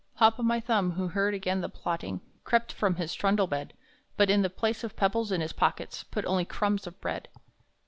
Hop o' my Thumb, who heard again the plotting, Crept from his trundle bed, But in the place of pebbles in his pockets Put only crumbs of bread.